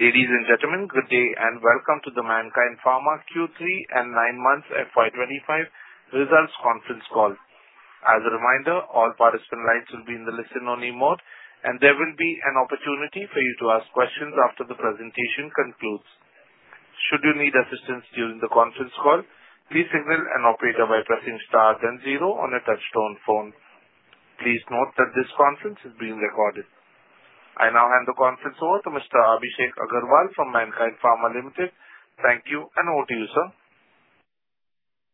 Ladies and gentlemen, good day and welcome to the Mankind Pharma Q3 and 9 Months FY25 Results Conference Call. As a reminder, all participant lines will be in the listen-only mode, and there will be an opportunity for you to ask questions after the presentation concludes. Should you need assistance during the conference call, please signal an operator by pressing star then zero on a touch-tone phone. Please note that this conference is being recorded. I now hand the conference over to Mr. Abhishek Agarwal from Mankind Pharma Limited. Thank you and over to you, sir.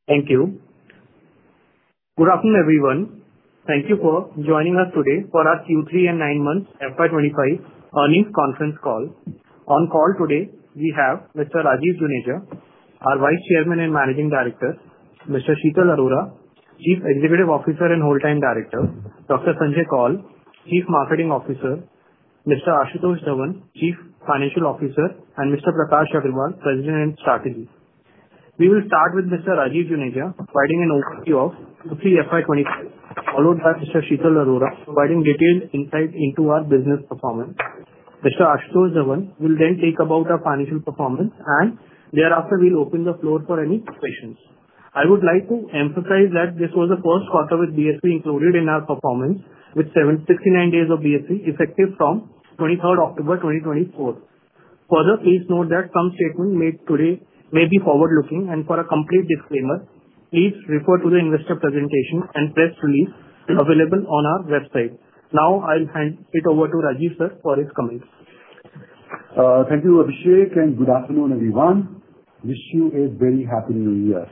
Thank you. Good afternoon, everyone. Thank you for joining us today for our Q3 and 9 Months FY25 Earnings Conference Call. On call today, we have Mr. Rajeev Juneja, our Vice Chairman and Managing Director, Mr. Sheetal Arora, Chief Executive Officer and Whole-Time Director, Dr. Sanjay Koul, Chief Marketing Officer, Mr. Ashutosh Dhawan, Chief Financial Officer, and Mr. Prakash Agarwal, President and Strategist. We will start with Mr. Rajeev Juneja, providing an overview of Q3 FY25, followed by Mr. Sheetal Arora, providing detailed insight into our business performance. Mr. Ashutosh Dhawan will then talk about our financial performance, and thereafter, we'll open the floor for any questions. I would like to emphasize that this was the first quarter with BSV included in our performance, with 69 days of BSV effective from 23rd October 2024. Further, please note that some statements made today may be forward-looking, and for a complete disclaimer, please refer to the investor presentation and press release available on our website. Now, I'll hand it over to Rajeev, sir, for his comments. Thank you, Abhishek, and good afternoon, everyone. Wish you a very happy New Year.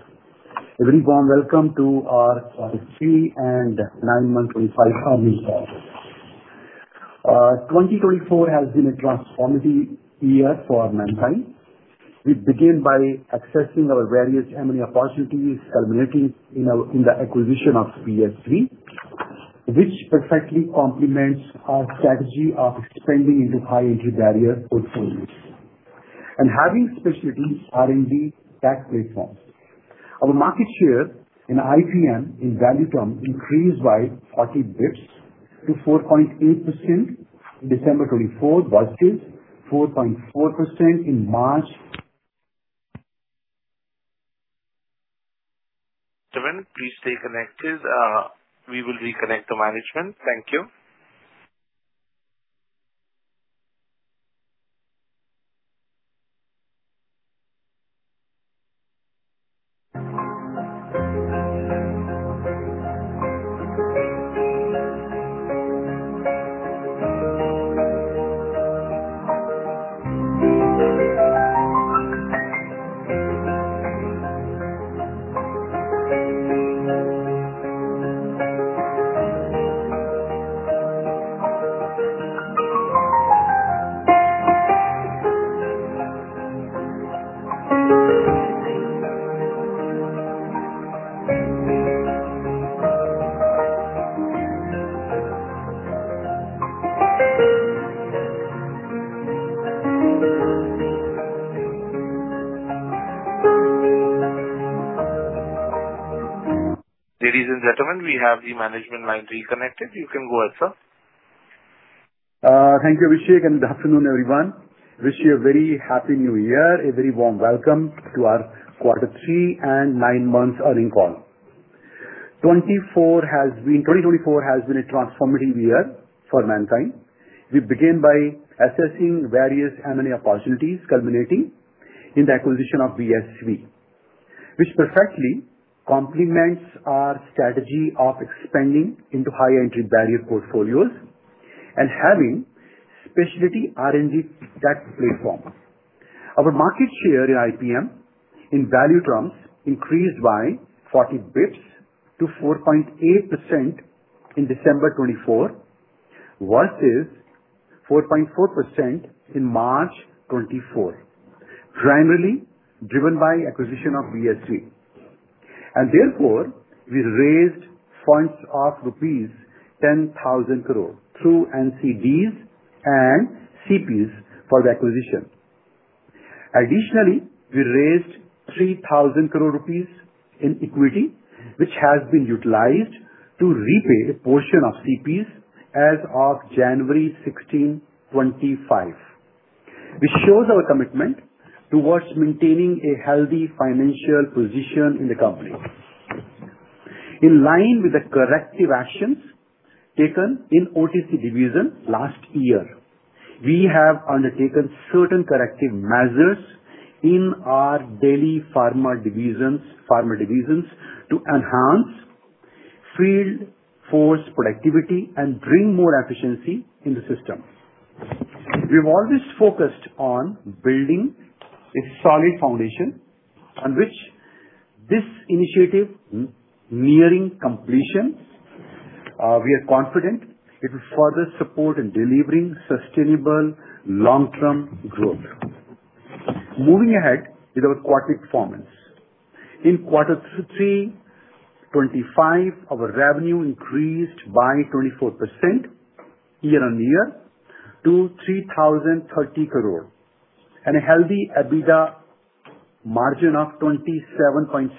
Everyone, welcome to our Q3 and 9 Months 25 earnings call. 2024 has been a transformative year for Mankind. We began by assessing our various M&A opportunities, culminating in the acquisition of BSV, which perfectly and therefore, we raised funds of rupees 10,000 crore through NCDs and CPs for the acquisition. Additionally, we raised 3,000 crore rupees in equity, which has been utilized to repay a portion of CPs as of January 16, 2025, which shows our commitment towards maintaining a healthy financial position in the company. In line with the corrective actions taken in OTC division last year, we have undertaken certain corrective measures in our Delhi pharma divisions to enhance field force productivity and bring more efficiency in the system. We've always focused on building a solid foundation on which this initiative nearing completion. We are confident it will further support in delivering sustainable long-term growth. Moving ahead with our quarterly performance. In Q3 2025, our revenue increased by 24% year-on-year to 3,030 crore and a healthy EBITDA margin of 27.7%.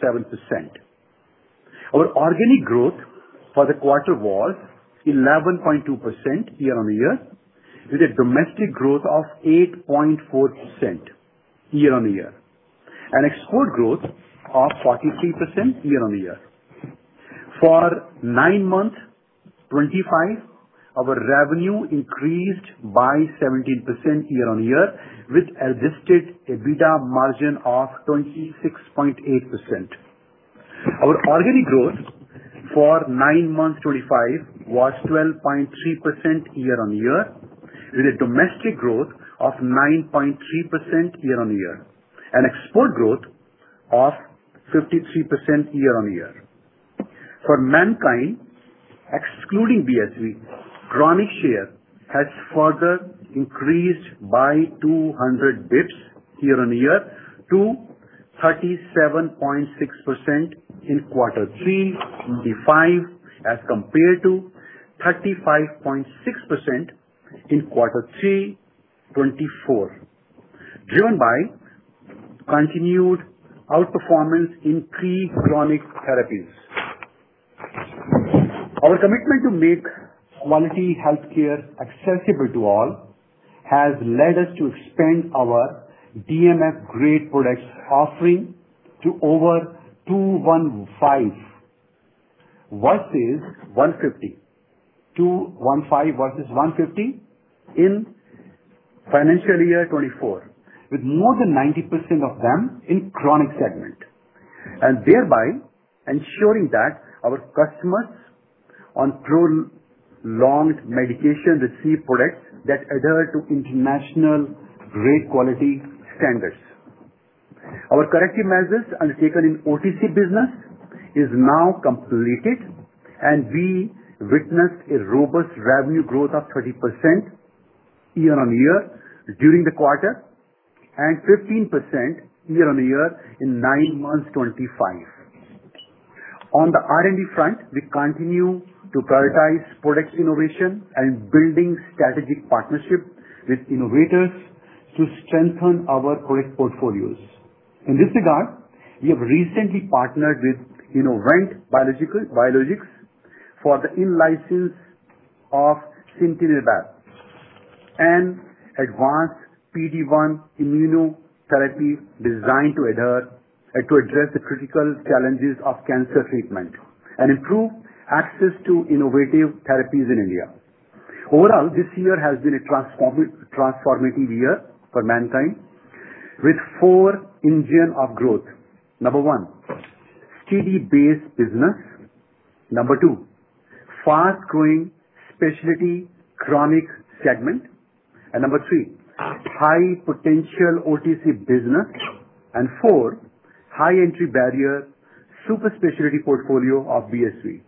Our organic growth for the quarter was 11.2% year-on-year, with a domestic growth of 8.4% year-on-year, and export growth of 43% year-on-year. For 9 Months 2025, our revenue increased by 17% year-on-year, with a listed EBITDA margin of 26.8%. Our organic growth for 9 Months 2025 was 12.3% year-on-year, with a domestic growth of 9.3% year-on-year, and export growth of 53% year-on-year. For Mankind, excluding BSV, chronic share has further increased by 200 basis points year-on-year to 37.6% in Q3 2025, as compared to 35.6% in Q3 2024, driven by continued outperformance in three chronic therapies. Our commitment to make quality healthcare accessible to all has led us to expand our DMF-grade products offering to over 215 versus 150, 215 versus 150 in financial year 2024, with more than 90% of them in chronic segment, and thereby ensuring that our customers on prolonged medication receive products that adhere to international grade quality standards. Our corrective measures undertaken in OTC business is now completed, and we witnessed a robust revenue growth of 30% year-on-year during the quarter and 15% year-on-year in 9 Months 2025. On the R&D front, we continue to prioritize product innovation and building strategic partnerships with innovators to strengthen our product portfolios. In this regard, we have recently partnered with Innovent Biologics for the in-license of Sintilimab, an advanced PD-1 immunotherapy designed to address the critical challenges of cancer treatment and improve access to innovative therapies in India. Overall, this year has been a transformative year for Mankind, with four engines of growth: number one, steady-based business, number two, fast-growing specialty chronic segment, and number three, high-potential OTC business, and four, high-entry barrier super specialty portfolio of BSV.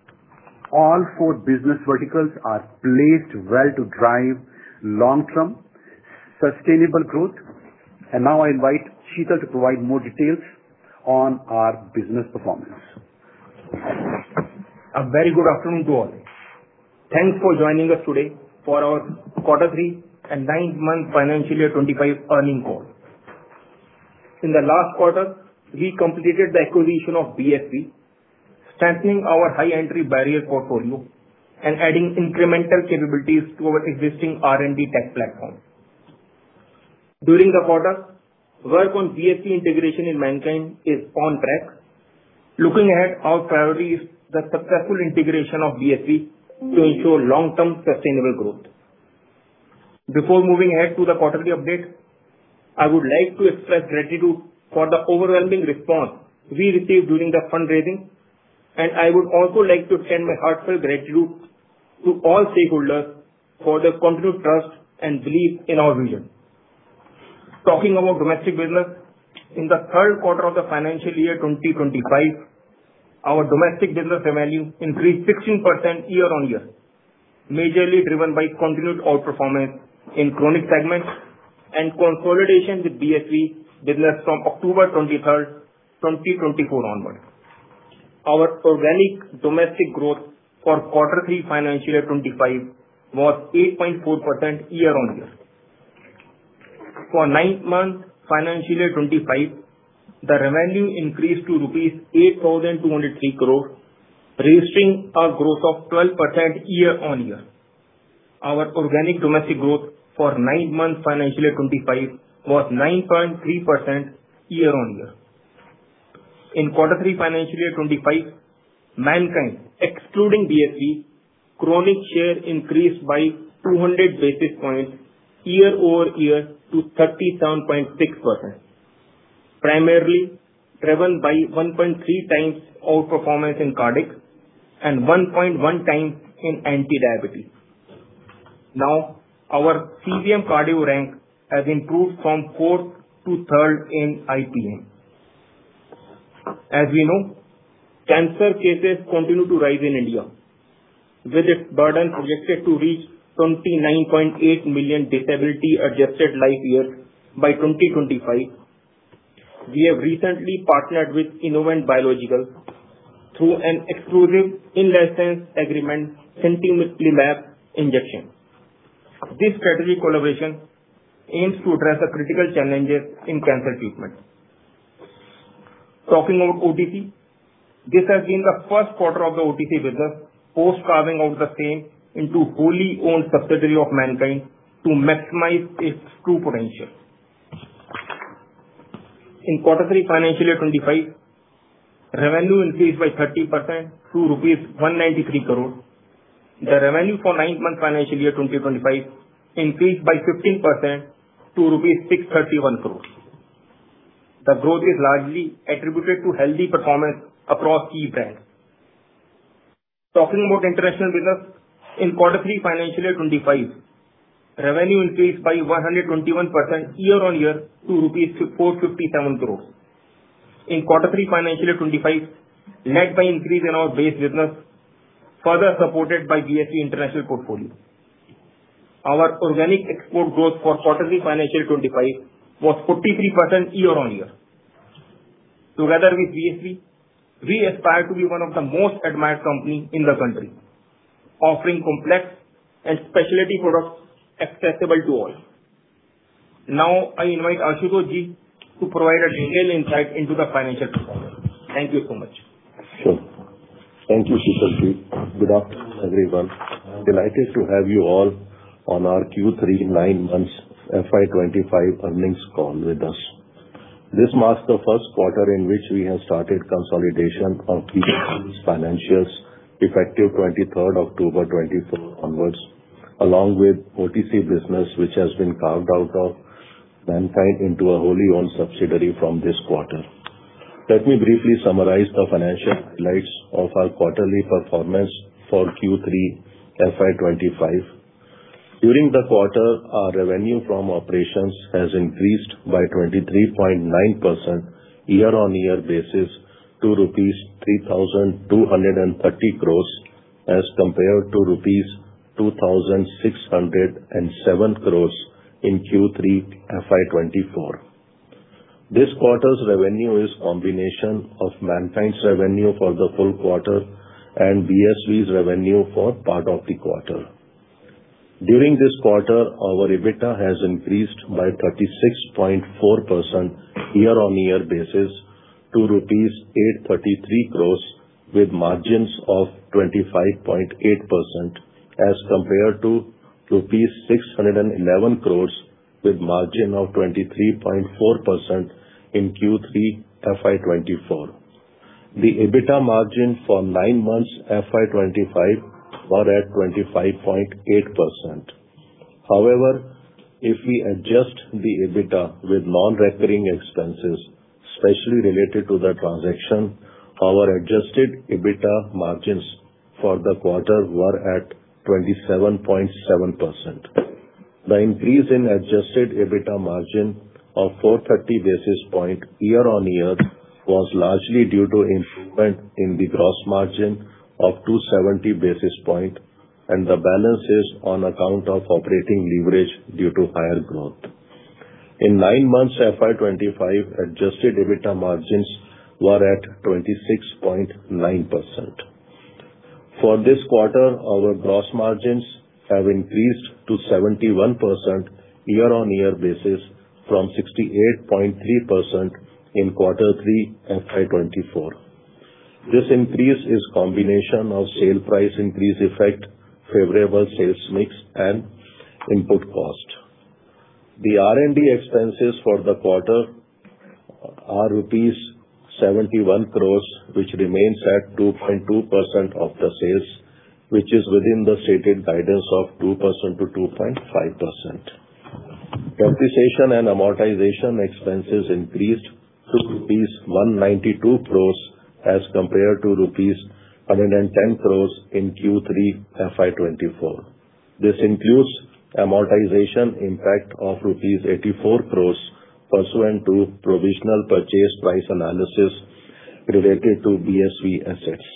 All four business verticals are placed well to drive long-term sustainable growth, and now I invite Sheetal to provide more details on our business performance. A very good afternoon to all. Thanks for joining us today for our Q3 and nine months financial year 2025 earnings call. In the last quarter, we completed the acquisition of BSV, strengthening our high-entry barrier portfolio and adding incremental capabilities to our existing R&D tech platform. During the quarter, work on BSV integration in Mankind is on track. Looking ahead, our priority is the successful integration of BSV to ensure long-term sustainable growth. Before moving ahead to the quarterly update, I would like to express gratitude for the overwhelming response we received during the fundraising, and I would also like to extend my heartfelt gratitude to all stakeholders for the continued trust and belief in our vision. Talking about domestic business, in the third quarter of the financial year 2025, our domestic business revenue increased 16% year-on-year, majorly driven by continued outperformance in chronic segments and consolidation with BSV business from October 23, 2024 onward. Our organic domestic growth for Q3 financial year 2025 was 8.4% year-on-year. For nine months financial year 2025, the revenue increased to 8,203 crore rupees, registering a growth of 12% year-on-year. Our organic domestic growth for nine months financial year 2025 was 9.3% year-on-year. In Q3 financial year 2025, Mankind, excluding BSV, chronic share increased by 200 basis points year-over-year to 37.6%, primarily driven by 1.3 times outperformance in cardiac and 1.1 times in anti-diabetes. Now, our CVM cardio rank has improved from fourth to third in IPM. As we know, cancer cases continue to rise in India, with its burden projected to reach 29.8 million disability-adjusted life years by 2025. We have recently partnered with Innovent Biologics through an exclusive in-license agreement, Sintilimab injection. This strategic collaboration aims to address the critical challenges in cancer treatment. Talking about OTC, this has been the first quarter of the OTC business post-carving out the same into wholly-owned subsidiary of Mankind to maximize its true potential. In Q3 financial year '25, revenue increased by 30% to rupees 193 crore. The revenue for 9 Months financial year 2025 increased by 15% to 631 crore rupees. The growth is largely attributed to healthy performance across key brands. Talking about international business, in Q3 financial year '25, revenue increased by 121% year-on-year to INR 457 crore. In Q3 financial year '25, led by increase in our base business, further supported by BSV international portfolio. Our organic export growth for Q3 financial year '25 was 43% year-on-year. Together with BSV, we aspire to be one of the most admired companies in the country, offering complex and specialty products accessible to all. Now, I invite Ashutosh Ji to provide a detailed insight into the financial performance. Thank you so much. Sure. Thank you, Sheetal Ji. Good afternoon, everyone. Delighted to have you all on our Q3 9 Months FY25 earnings call with us. This marks the first quarter in which we have started consolidation of BSV's financials, effective 23 October 2024 onwards, along with OTC business, which has been carved out of Mankind into a wholly-owned subsidiary from this quarter. Let me briefly summarize the financial highlights of our quarterly performance for Q3 FY25. During the quarter, our revenue from operations has increased by 23.9% year-on-year basis to rupees 3,230 crore, as compared to rupees 2,607 crore in Q3 FY24. This quarter's revenue is a combination of Mankind's revenue for the full quarter and BSV's revenue for part of the quarter. During this quarter, our EBITDA has increased by 36.4% year-on-year basis to 833 crore rupees, with margins of 25.8%, as compared to rupees 611 crore, with margin of 23.4% in Q3 FY24. The EBITDA margin for 9 Months FY25 was at 25.8%. However, if we adjust the EBITDA with non-recurring expenses, especially related to the transaction, our adjusted EBITDA margins for the quarter were at 27.7%. The increase in adjusted EBITDA margin of 430 basis points year-on-year was largely due to improvement in the gross margin of 270 basis points and the balances on account of operating leverage due to higher growth. In 9 Months FY25, adjusted EBITDA margins were at 26.9%. For this quarter, our gross margins have increased to 71% year-on-year basis from 68.3% in Q3 FY24. This increase is a combination of sale price increase effect, favorable sales mix, and input cost. The R&D expenses for the quarter are rupees 71 crore, which remains at 2.2% of the sales, which is within the stated guidance of 2%-2.5%. Depreciation and amortization expenses increased to 192 crore rupees, as compared to 110 crore rupees in Q3 FY24. This includes amortization impact of rupees 84 crore pursuant to provisional purchase price analysis related to BSV assets.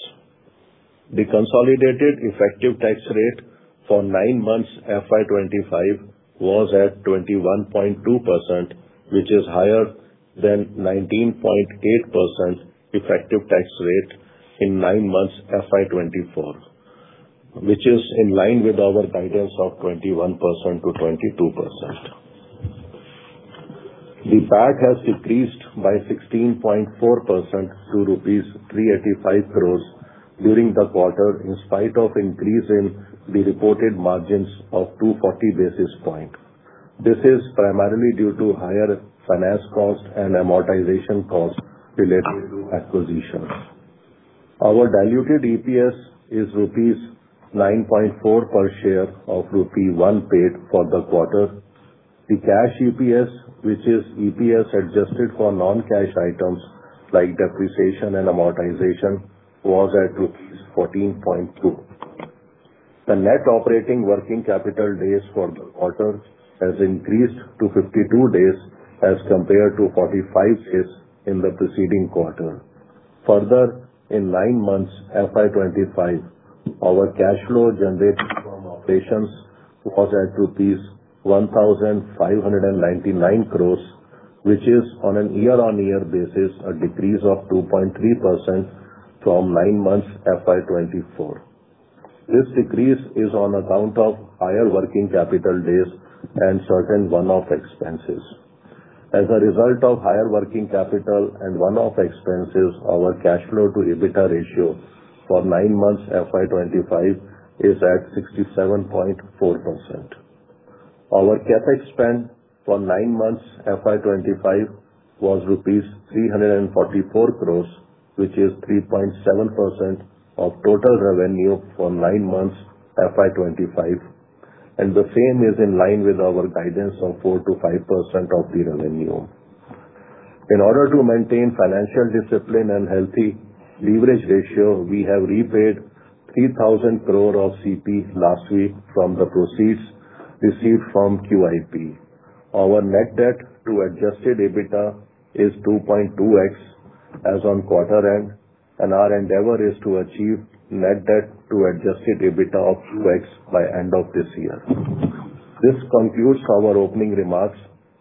The consolidated effective tax rate for 9 Months FY25 was at 21.2%, which is higher than 19.8% effective tax rate in 9 Months FY24, which is in line with our guidance of 21%-22%. The PAT has decreased by 16.4% to rupees 385 crore during the quarter, in spite of an increase in the reported margins of 240 basis points. This is primarily due to higher finance cost and amortization cost related to acquisitions. Our diluted EPS is rupees 9.4 per share of rupee 1 paid for the quarter. The cash EPS, which is EPS adjusted for non-cash items like depreciation and amortization, was at rupees 14.2. The net operating working capital days for the quarter has increased to 52 days, as compared to 45 days in the preceding quarter. Further, in 9 Months FY25, our cash flow generated from operations was at rupees 1,599 crore, which is, on an year-on-year basis, a decrease of 2.3% from 9 Months FY24. This decrease is on account of higher working capital days and certain one-off expenses. As a result of higher working capital and one-off expenses, our cash flow-to-EBITDA ratio for 9 Months FY25 is at 67.4%. Our CapEx spend for 9 Months FY25 was INR 344 crore, which is 3.7% of total revenue for 9 Months FY25, and the same is in line with our guidance of 4%-5% of the revenue. In order to maintain financial discipline and healthy leverage ratio, we have repaid 3,000 crore of CP last week from the proceeds received from QIP. Our net debt-to-adjusted EBITDA is 2.2x, as on quarter-end, and our endeavor is to achieve net debt-to-adjusted EBITDA of 2x by the end of this year. This concludes our opening remarks,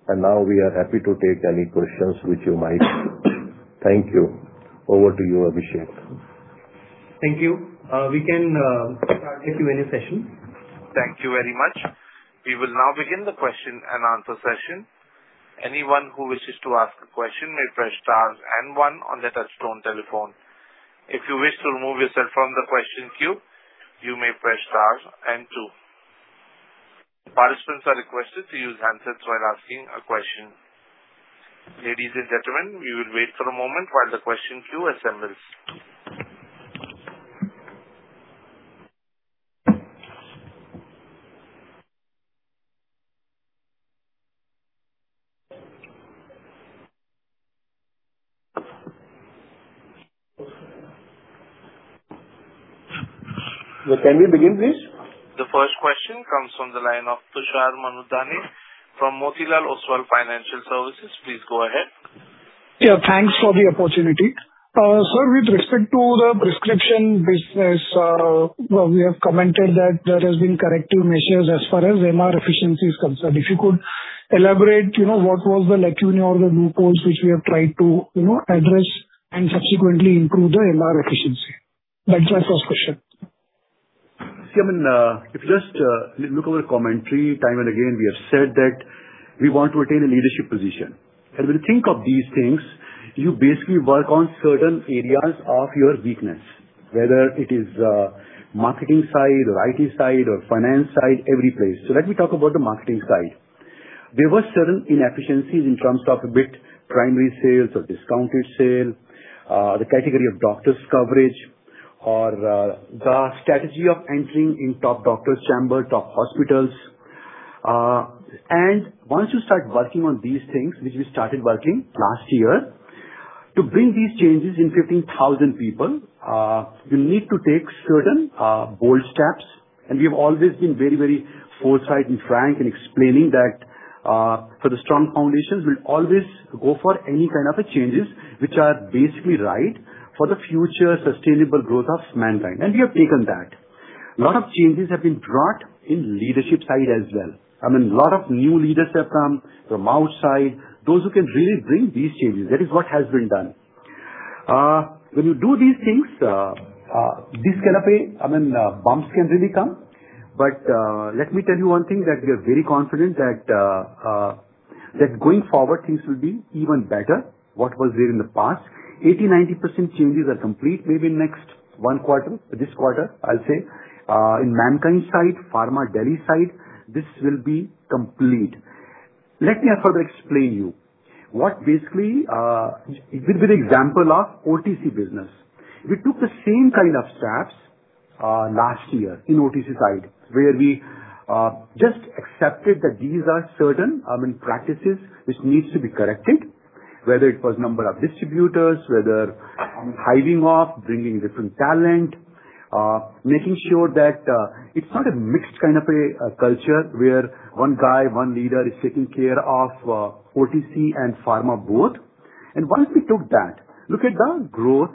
and now we are happy to take any questions which you might. Thank you. Over to you, Abhishek. Thank you. We can start the Q&A session. Thank you very much. We will now begin the question and answer session. Anyone who wishes to ask a question may press star and one on the touch-tone telephone. If you wish to remove yourself from the question queue, you may press star and two. Participants are requested to use handsets while asking a question. Ladies and gentlemen, we will wait for a moment while the question queue assembles. Can we begin, please? The first question comes from the line of Tushar Manudhane from Motilal Oswal Financial Services. Please go ahead. Yeah, thanks for the opportunity. Sir, with respect to the prescription business, we have commented that there have been corrective measures as far as MR efficiency is concerned. If you could elaborate, what was the lacunae or the loopholes which we have tried to address and subsequently improve the MR efficiency? That's my first question. See, I mean, if you just look at the commentary, time and again, we have said that we want to attain a leadership position. And when you think of these things, you basically work on certain areas of your weakness, whether it is marketing side, or IT side, or finance side, every place. So let me talk about the marketing side. There were certain inefficiencies in terms of be it primary sales or discounted sale, the category of doctors' coverage, or the strategy of entering in top doctors' chambers, top hospitals. And once you start working on these things, which we started working last year, to bring these changes in 15,000 people, you need to take certain bold steps. And we have always been very, very forthright and frank in explaining that for the strong foundations, we'll always go for any kind of changes which are basically right for the future sustainable growth of Mankind. And we have taken that. A lot of changes have been brought in the leadership side as well. I mean, a lot of new leaders have come from outside, those who can really bring these changes. That is what has been done. When you do these things, this can appear, I mean, bumps can really come. But let me tell you one thing that we are very confident that going forward, things will be even better than what was there in the past. 80%-90% changes are complete maybe in the next one quarter, this quarter, I'll say, in Mankind side, Pharma Delhi side. This will be complete. Let me further explain to you what basically with the example of OTC business. We took the same kind of steps last year in OTC side, where we just accepted that these are certain practices which need to be corrected, whether it was number of distributors, whether hiring off, bringing different talent, making sure that it's not a mixed kind of a culture where one guy, one leader is taking care of OTC and Pharma both. And once we took that, look at the growth.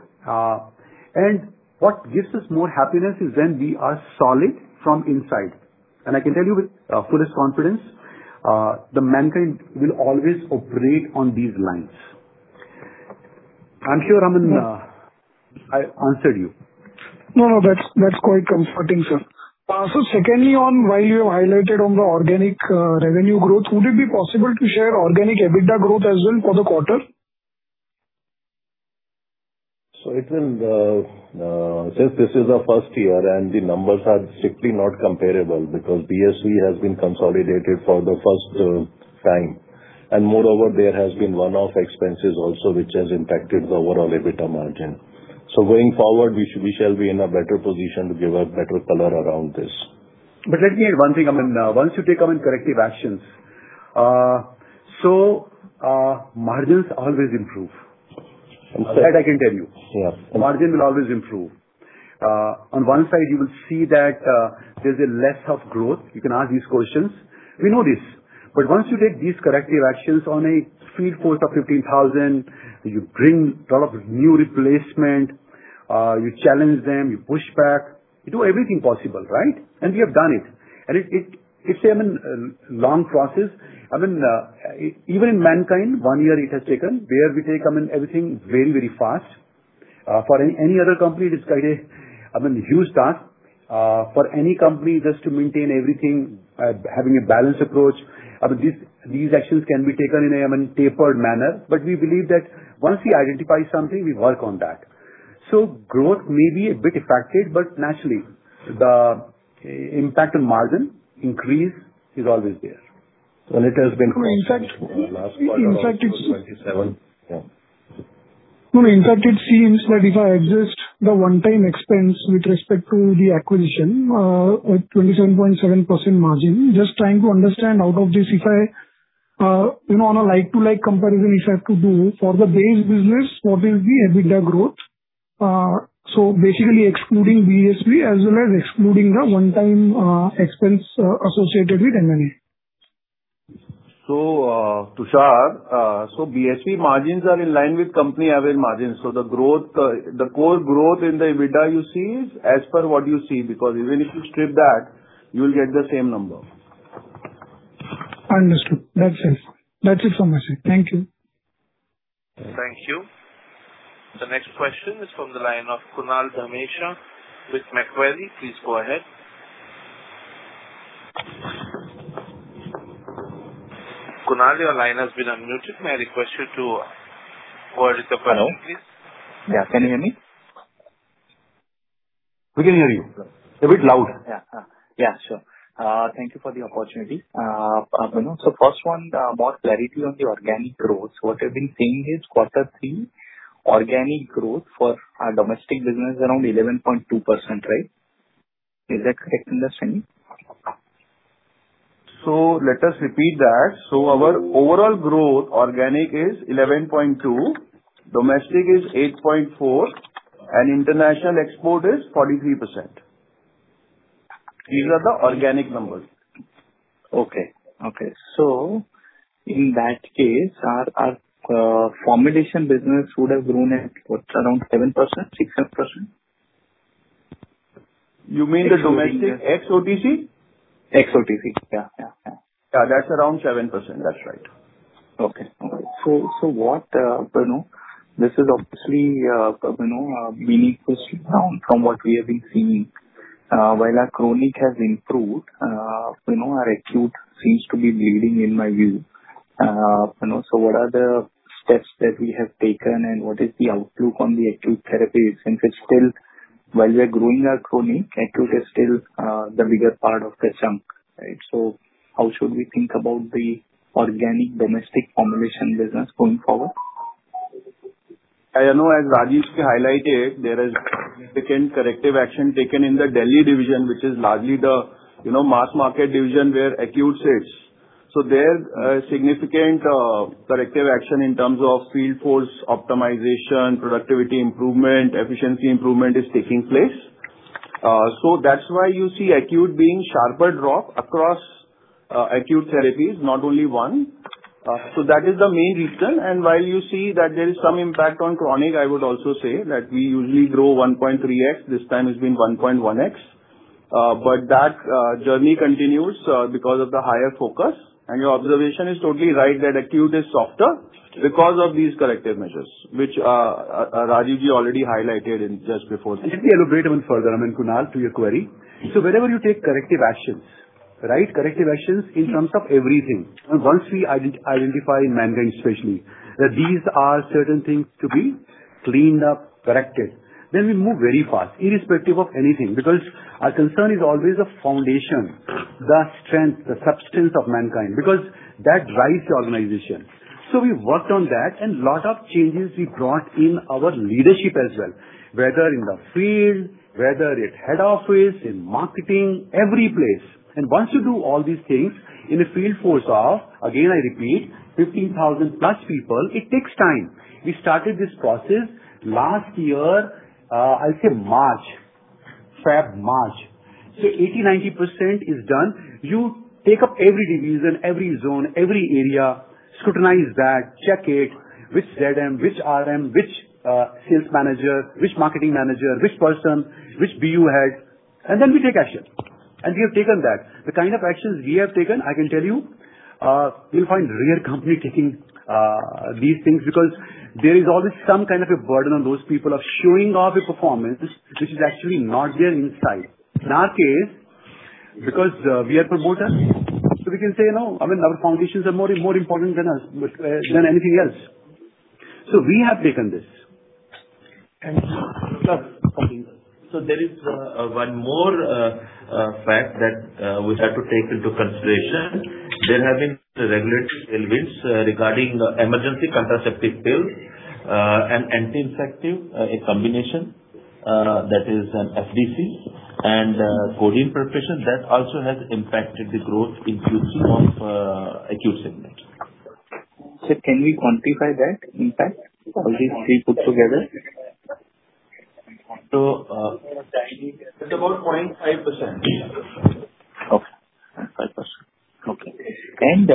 And what gives us more happiness is when we are solid from inside. And I can tell you with full confidence, the Mankind will always operate on these lines. I'm sure, I mean, I answered you. No, no, that's quite comforting, sir. Also, secondly, while you have highlighted on the organic revenue growth, would it be possible to share organic EBITDA growth as well for the quarter? So it will, since this is the first year and the numbers are strictly not comparable because BSV has been consolidated for the first time. And moreover, there has been one-off expenses also which has impacted the overall EBITDA margin. So going forward, we shall be in a better position to give a better color around this. But let me add one thing. I mean, once you take on corrective actions, so margins always improve. That I can tell you. Margin will always improve. On one side, you will see that there's a less of growth. You can ask these questions. We know this. But once you take these corrective actions on a field force of 15,000, you bring a lot of new replacement, you challenge them, you push back, you do everything possible, right? And we have done it. And it's a long process. I mean, even in Mankind, one year it has taken where we take, I mean, everything very, very fast. For any other company, it's quite a huge task for any company just to maintain everything, having a balanced approach. I mean, these actions can be taken in a tapered manner. But we believe that once we identify something, we work on that. So growth may be a bit affected, but naturally, the impact on margin increase is always there. So it has been quite strong in the last quarter. No, in fact, it seems that if I exclude the one-time expense with respect to the acquisition, 27.7% margin, just trying to understand out of this, if I adjust the one-time expense with respect to the acquisition, 27.7% margin, just trying to understand out of this, if I do a like-for-like comparison, if I have to do for the base business, what is the EBITDA growth? So basically excluding BSV as well as excluding the one-time expense associated with M&A. So Tushar, so BSV margins are in line with company average margins. So the growth, the core growth in the EBITDA you see is as per what you see because even if you strip that, you will get the same number. Understood. That's it. That's it from my side. Thank you. Thank you. The next question is from the line of Kunal Dhamesha with Macquarie. Please go ahead. Kunal, your line has been unmuted. May I request you to word the question, please? Hello. Yeah, can you hear me? We can hear you. A bit loud. Yeah. Yeah, sure. Thank you for the opportunity. So first one, more clarity on the organic growth. What I've been seeing is quarter three, organic growth for domestic business around 11.2%, right? Is that correct understanding? So let us repeat that. So our overall growth organic is 11.2%, domestic is 8.4%, and international export is 43%. These are the organic numbers. Okay. So in that case, our formulation business would have grown at around 7%, 6%? You mean the domestic ex-OTC? OTC. Yeah. Yeah. Yeah. Yeah, that's around 7%. That's right. Okay. Okay. So this is obviously a meaningful slowdown from what we have been seeing. While our chronic has improved, our acute seems to be bleeding in my view. So what are the steps that we have taken and what is the outlook on the acute therapy since it's still, while we're growing our chronic, acute is still the bigger part of the chunk, right? So how should we think about the organic domestic formulation business going forward? As Rajeev has highlighted, there is significant corrective action taken in the Delhi division, which is largely the mass market division where acute sits. So there is significant corrective action in terms of field force optimization, productivity improvement, efficiency improvement is taking place. So that's why you see acute being sharper drop across acute therapies, not only one. So that is the main reason. And while you see that there is some impact on chronic, I would also say that we usually grow 1.3x. This time it's been 1.1x. But that journey continues because of the higher focus. And your observation is totally right that acute is softer because of these corrective measures, which Rajeev Ji already highlighted just before. Let me elaborate even further, I mean, Kunal, to your query. So whenever you take corrective actions, right, corrective actions in terms of everything, once we identify in Mankind especially that these are certain things to be cleaned up, corrected, then we move very fast irrespective of anything because our concern is always the foundation, the strength, the substance of Mankind because that drives the organization. So we worked on that and a lot of changes we brought in our leadership as well, whether in the field, whether it's head office, in marketing, every place. And once you do all these things in a field force of, again, I repeat, 15,000 plus people, it takes time. We started this process last year, I'll say March, Feb, March. So 80%-90% is done. You take up every division, every zone, every area, scrutinize that, check it, which ZM, which RM, which sales manager, which marketing manager, which person, which BU head, and then we take action, and we have taken that. The kind of actions we have taken, I can tell you, you'll find rare companies taking these things because there is always some kind of a burden on those people of showing off a performance which is actually not there inside. In our case, because we are promoters, we can say, no, I mean, our foundations are more important than anything else, so we have taken this. Thank you. So there is one more fact that we have to take into consideration. There have been regulatory tailwinds regarding emergency contraceptive pills and anti-infective in combination. That is an FDC and codeine preparation that also has impacted the growth inclusive of acute segment. So can we quantify that impact, all these three put together? It's about 0.5%. Okay. 0.5%. Okay. And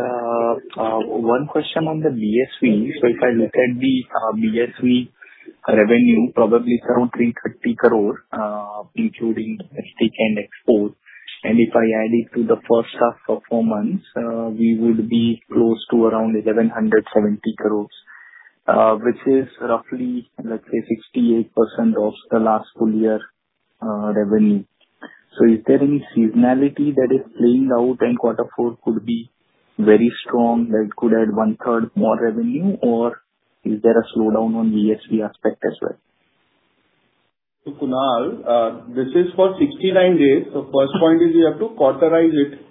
one question on the BSV. So if I look at the BSV revenue, probably around 330 crore, including tech and export. And if I add it to the first half of four months, we would be close to around 1,170 crore, which is roughly, let's say, 68% of the last full year revenue. So is there any seasonality that is playing out and quarter four could be very strong that could add one-third more revenue, or is there a slowdown on BSV aspect as well? Kunal, this is for 69 days. First point is we have to quarterize it.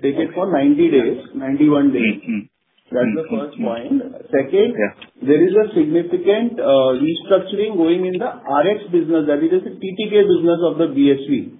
Take it for 90 days, 91 days. That's the first point. Second, there is a significant restructuring going on in the Rx business, that is the TTK business of the BSV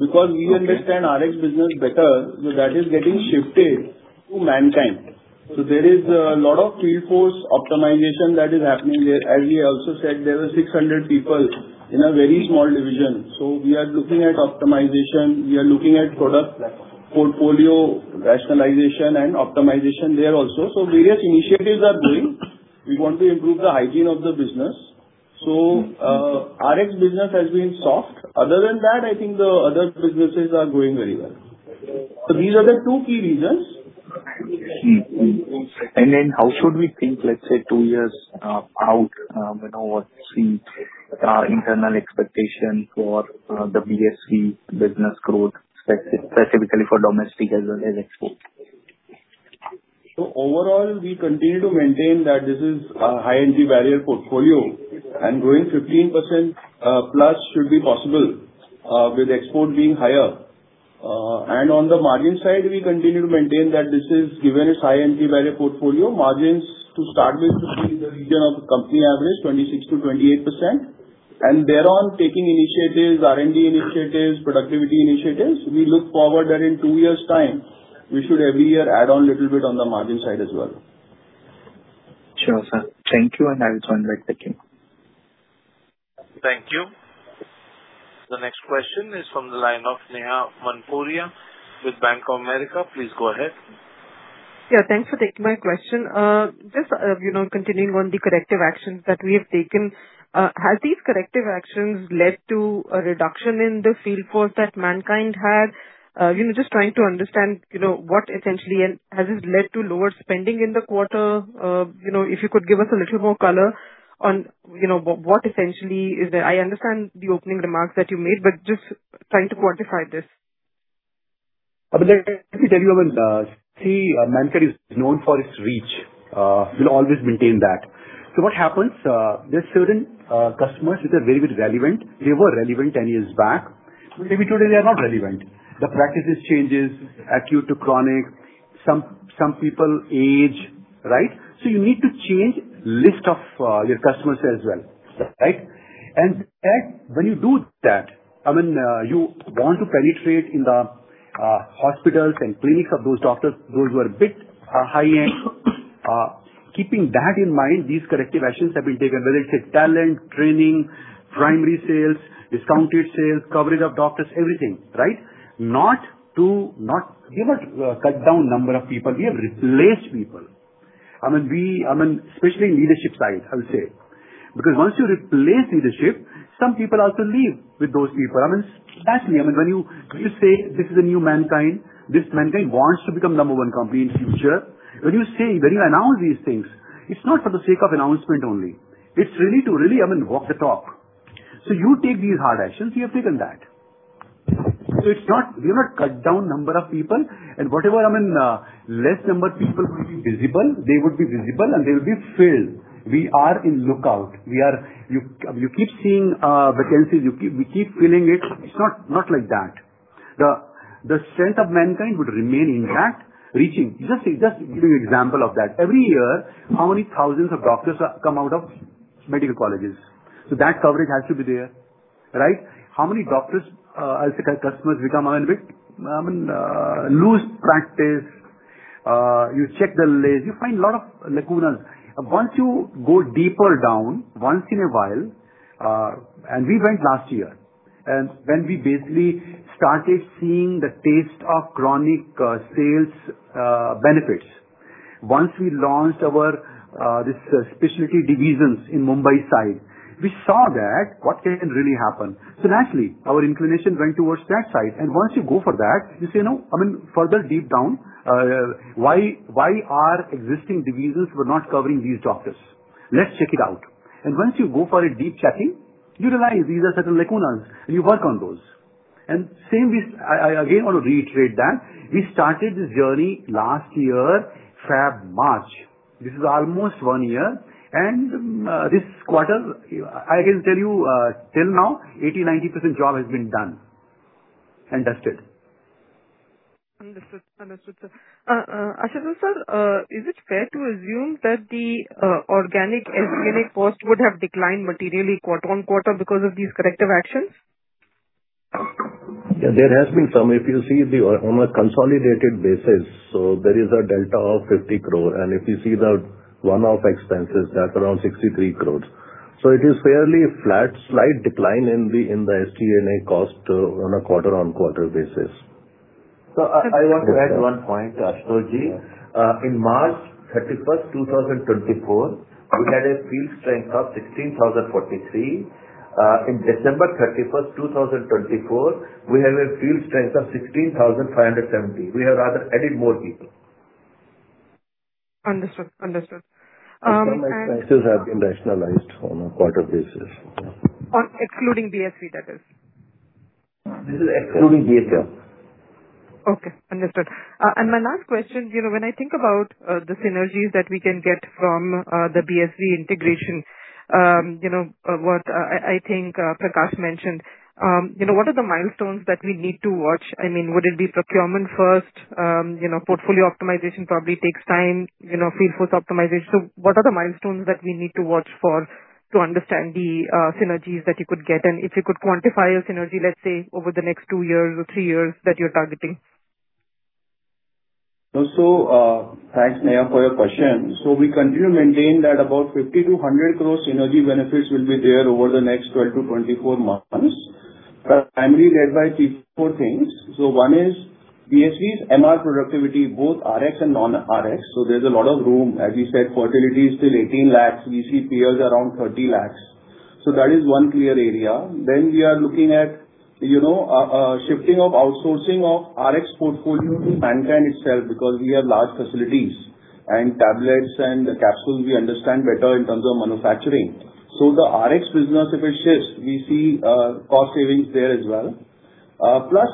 because we understand Rx business better. So that is getting shifted to Mankind. So there is a lot of field force optimization that is happening there. As we also said, there were 600 people in a very small division. So we are looking at optimization. We are looking at product portfolio rationalization and optimization there also. So various initiatives are going. We want to improve the hygiene of the business. So Rx business has been soft. Other than that, I think the other businesses are going very well. So these are the two key reasons. How should we think, let's say, two years out, what's the internal expectation for the BSV business growth, specifically for domestic as well as export? So overall, we continue to maintain that this is a high-entry barrier portfolio and going 15% plus should be possible with export being higher. And on the margin side, we continue to maintain that this is, given its high-entry barrier portfolio, margins to start with should be in the region of company average, 26%-28%. And thereon, taking initiatives, R&D initiatives, productivity initiatives, we look forward that in two years' time, we should every year add on a little bit on the margin side as well. Sure, sir. Thank you. And I'll join back with you. Thank you. The next question is from the line of Neha Manpuria with Bank of America. Please go ahead. Yeah. Thanks for taking my question. Just continuing on the corrective actions that we have taken, has these corrective actions led to a reduction in the field force that Mankind had? Just trying to understand what essentially has this led to lower spending in the quarter. If you could give us a little more color on what essentially is there. I understand the opening remarks that you made, but just trying to quantify this. I mean, let me tell you, I mean, see, Mankind is known for its reach. We'll always maintain that. So what happens, there's certain customers which are very, very relevant. They were relevant 10 years back. Maybe today they are not relevant. The practice is changing, acute to chronic, some people age, right? So you need to change the list of your customers as well, right? And when you do that, I mean, you want to penetrate in the hospitals and clinics of those doctors, those who are a bit high-end. Keeping that in mind, these corrective actions have been taken, whether it's talent, training, primary sales, discounted sales, coverage of doctors, everything, right? Not to cut down the number of people. We have replaced people. I mean, especially in leadership side, I would say, because once you replace leadership, some people also leave with those people. I mean, naturally, I mean, when you say this is a new Mankind, this Mankind wants to become number one company in the future. When you say, when you announce these things, it's not for the sake of announcement only. It's really to really, I mean, walk the talk. So you take these hard actions, you have taken that. So we have not cut down the number of people. And whatever, I mean, less number of people will be visible, they would be visible, and they will be filled. We are in lookout. You keep seeing vacancies. We keep filling it. It's not like that. The strength of Mankind would remain intact, reaching. Just giving an example of that. Every year, how many thousands of doctors come out of medical colleges? So that coverage has to be there, right? How many doctors, I'll say, customers become, I mean, a bit loose practice? You check the list. You find a lot of lacunas. Once you go deeper down, once in a while, and we went last year. And when we basically started seeing the taste of chronic sales benefits, once we launched our specialty divisions in Mumbai side, we saw that what can really happen. So naturally, our inclination went towards that side. And once you go for that, you say, no, I mean, further deep down, why are existing divisions not covering these doctors? Let's check it out. And once you go for a deep checking, you realize these are certain lacunas, and you work on those. And again, I want to reiterate that. We started this journey last year, February, March. This is almost one year. This quarter, I can tell you, till now, 80%-90% job has been done and dusted. Understood. Understood, sir. Ashutosh sir, is it fair to assume that the organic SG&A costs would have declined materially quarter on quarter because of these corrective actions? Yeah, there has been some. If you see on a consolidated basis, so there is a delta of 50 crore. And if you see the one-off expenses, that's around 63 crore. So it is fairly flat, slight decline in the SG&A cost on a quarter-on-quarter basis. So I want to add one point, Ashutosh Ji. In March 31st, 2024, we had a field strength of 16,043. In December 31st, 2024, we have a field strength of 16,570. We have rather added more people. Understood. Understood. Some expenses have been rationalized on a quarter basis. On excluding BSV, that is? This is excluding BSV. Okay. Understood. And my last question, when I think about the synergies that we can get from the BSV integration, what I think Prakash mentioned, what are the milestones that we need to watch? I mean, would it be procurement first? Portfolio optimization probably takes time, field force optimization. So what are the milestones that we need to watch for to understand the synergies that you could get? And if you could quantify a synergy, let's say, over the next two years or three years that you're targeting? So thanks, Neha, for your question. We continue to maintain that about 50-100 crore synergy benefits will be there over the next 12 to 24 months, primarily led by three or four things. One is BSV's MR productivity, both Rx and non-Rx. There's a lot of room. As you said, fertility is still 18 lakhs. We see peers around 30 lakhs. That is one clear area. Then we are looking at shifting of outsourcing of Rx portfolio to Mankind itself because we have large facilities and tablets and capsules we understand better in terms of manufacturing. The Rx business, if it shifts, we see cost savings there as well. Plus,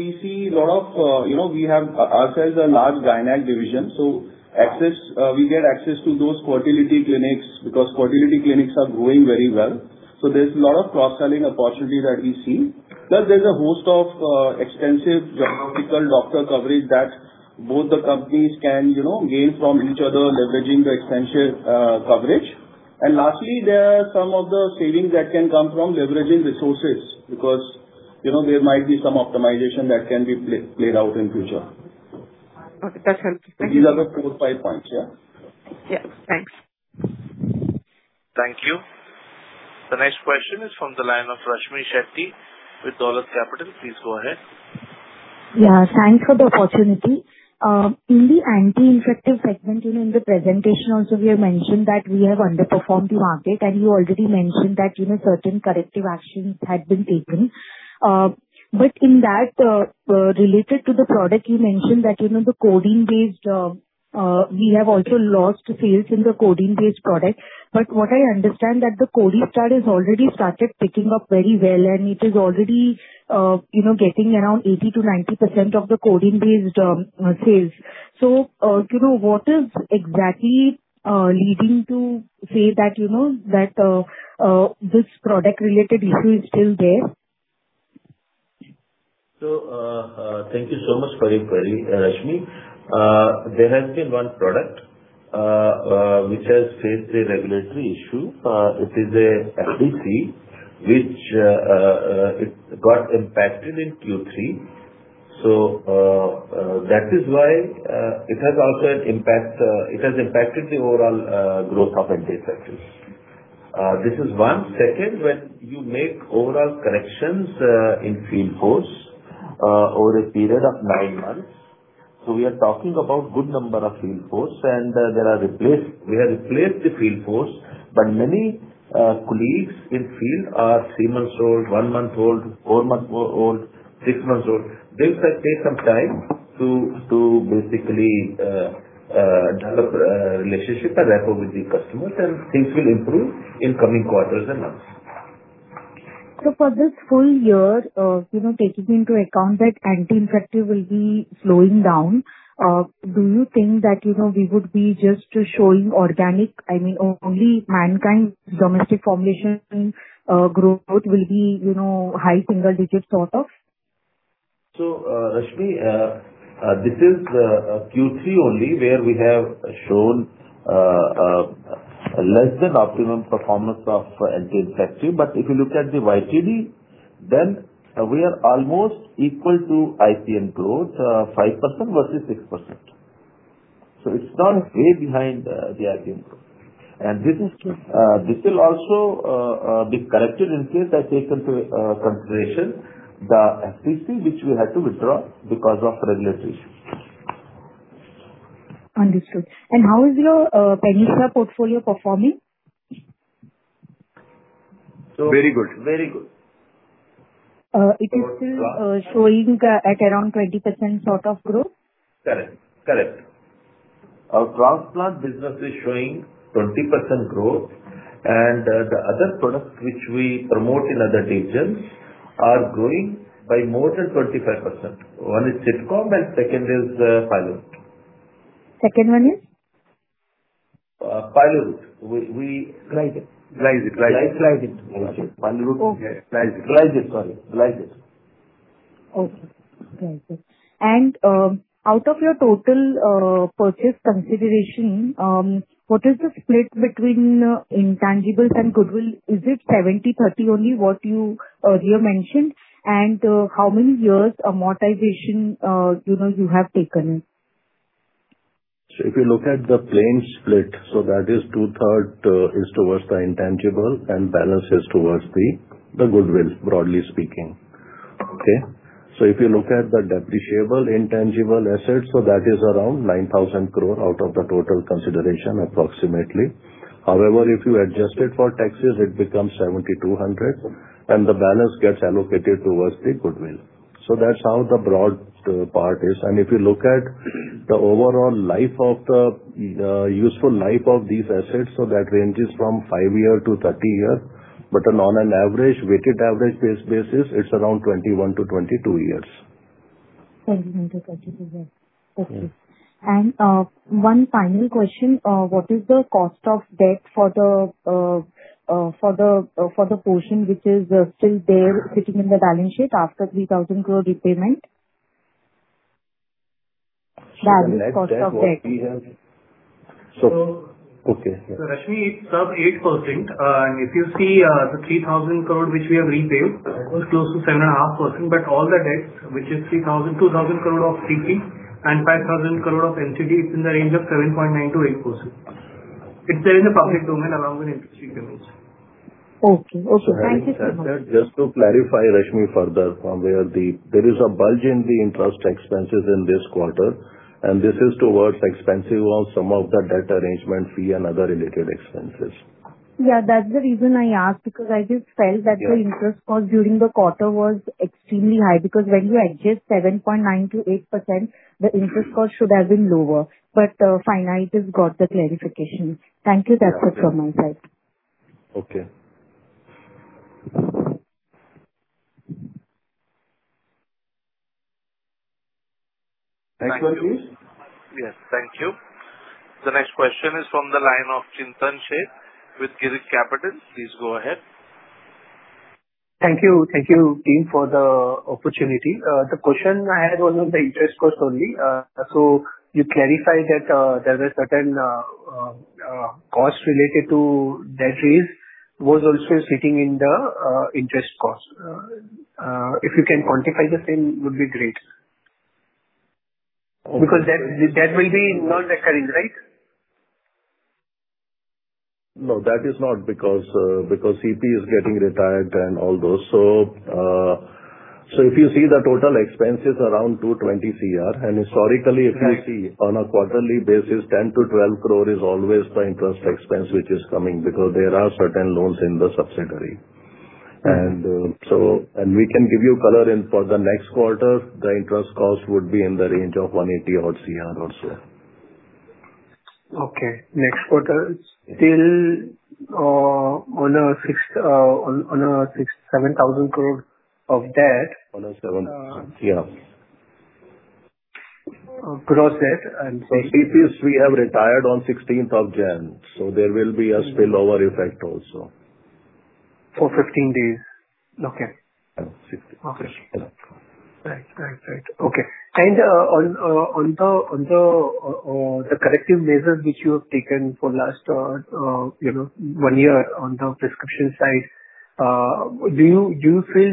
we see a lot of we have ourselves a large Gynaec division. We get access to those fertility clinics because fertility clinics are growing very well. So there's a lot of cross-selling opportunity that we see. Plus, there's a host of extensive doctor coverage that both the companies can gain from each other leveraging the extensive coverage. And lastly, there are some of the savings that can come from leveraging resources because there might be some optimization that can be played out in the future. Okay. That's helpful. Thank you. These are the four, five points, yeah? Yeah. Thanks. Thank you. The next question is from the line of Rashmi Shetty with Dolat Capital. Please go ahead. Yeah. Thanks for the opportunity. In the anti-infective segment, in the presentation also, we have mentioned that we have underperformed the market. And you already mentioned that certain corrective actions had been taken. But in that, related to the product, you mentioned that the codeine-based, we have also lost sales in the codeine-based product. But what I understand is that the Codistar has already started picking up very well, and it is already getting around 80%-90% of the codeine-based sales. So what is exactly leading to say that this product-related issue is still there? So thank you so much, Paripari, Rashmi. There has been one product which has faced a regulatory issue. It is an FDC, which it got impacted in Q3. So that is why it has also impacted the overall growth of anti-infective. This is one. Second, when you make overall corrections in field force over a period of nine months, so we are talking about a good number of field force, and we have replaced the field force, but many colleagues in the field are three months old, one month old, four months old, six months old. They take some time to basically develop a relationship and rapport with the customers, and things will improve in coming quarters and months. So for this full year, taking into account that anti-infective will be slowing down, do you think that we would be just showing organic, I mean, only Mankind's domestic formulation growth will be high single-digit sort of? So Rashmi, this is Q3 only where we have shown less than optimum performance of anti-infective. But if you look at the YTD, then we are almost equal to IPM growth, 5% versus 6%. So it's not way behind the IPM growth. And this will also be corrected in case I take into consideration the FDC, which we had to withdraw because of regulatory issues. Understood. And how is your Panacea portfolio performing? Very good. Very good. It is still showing at around 20% sort of growth? Correct. Correct. Our transplant business is showing 20% growth, and the other products which we promote in other regions are growing by more than 25%. One is Sitcom, and second is Pylorid. Second one is? Pylorid. Glizid. Glizid. Glizid. Glizid. Glizid. Glizid. Glizid. Sorry. Glizid. Okay. Glizid. And out of your total purchase consideration, what is the split between intangibles and goodwill? Is it 70/30 only, what you earlier mentioned? And how many years amortization you have taken? So if you look at the plain split, so that is two-thirds is towards the intangible, and balance is towards the goodwill, broadly speaking. Okay? So if you look at the depreciable intangible assets, so that is around 9,000 crore out of the total consideration, approximately. However, if you adjust it for taxes, it becomes 7,200, and the balance gets allocated towards the goodwill. So that's how the broad part is. And if you look at the overall life of the useful life of these assets, so that ranges from 5 years to 30 years, but on an average, weighted average-based basis, it's around 21 to 22 years. 21 to 22 years. Okay. And one final question. What is the cost of debt for the portion which is still there sitting in the balance sheet after 3,000 crore repayment? The average cost of debt. Okay. Rashmi, it's sub 8%. And if you see the 3,000 crore which we have repaid, it was close to 7.5%, but all the debts, which is 2,000 crore of CP and 5,000 crore of NCD, it's in the range of 7.9%-8%. It's there in the public domain around the industry payments. Okay. Okay. Thank you so much. Just to clarify, Rashmi, further, there is a bulge in the interest expenses in this quarter, and this is towards expenses of some of the debt arrangement fee and other related expenses. Yeah. That's the reason I asked because I just felt that the interest cost during the quarter was extremely high because when you adjust 7.9%-8%, the interest cost should have been lower. But finally, it has got the clarification. Thank you. That's it from my side. Okay. Thank you, Ashutosh. Yes. Thank you. The next question is from the line of Chintan Sheth with Girik Capital. Please go ahead. Thank you. Thank you, team, for the opportunity. The question I had was on the interest cost only. So you clarified that there were certain costs related to debt raise was also sitting in the interest cost. If you can quantify the same, it would be great. Because that will be non-recurring, right? No, that is not because CP is getting retired and all those, so if you see the total expenses around 220 crore, and historically, if you see on a quarterly basis, 10 to 12 crore is always the interest expense which is coming because there are certain loans in the subsidiary, and we can give you color in for the next quarter, the interest cost would be in the range of 180-odd crore or so. Okay. Next quarter, still on a 7,000 crore of debt. On a 7, yeah. Gross debt and. For CPs, we have retired on 16th of January. So there will be a spillover effect also. For 15 days. Okay. Yeah. 16th. Okay. Right. Okay. And on the corrective measures which you have taken for last one year on the prescription side, do you feel